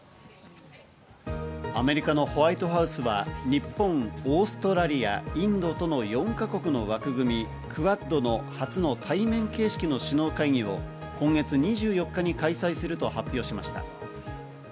アメリカのホワイトハウスは、日本、オーストラリア、インドとの４か国の枠組み、クアッドの初の対面形式の首脳会議を今月２４日に開催すると発表しました。